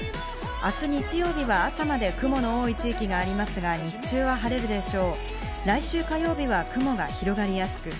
明日、日曜日は朝まで雲の多い地域がありますが、日中は晴れるでしょう。